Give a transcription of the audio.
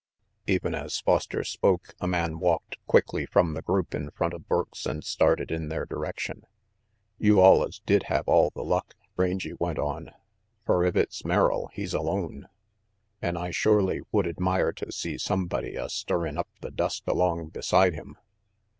Even as Foster spoke, a man walked quickly from the group in front of Burke's and started hi their direction. "You allus did have all the luck," Rangy went on, "fer if it's Merrill, he's alone. An' I shorely would admire to see sumbody a stirrin' up the dust along beside him."